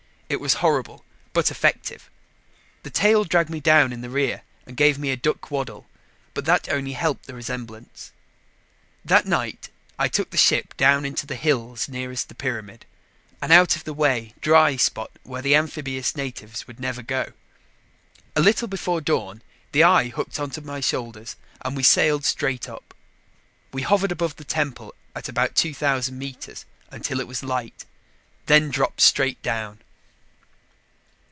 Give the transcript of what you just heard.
It was horrible but effective. The tail dragged me down in the rear and gave me a duck waddle, but that only helped the resemblance. That night I took the ship down into the hills nearest the pyramid, an out of the way dry spot where the amphibious natives would never go. A little before dawn, the eye hooked onto my shoulders and we sailed straight up. We hovered above the temple at about 2,000 meters, until it was light, then dropped straight down.